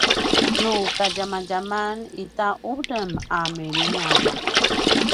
nu kadjamadjaman itja unem a milingan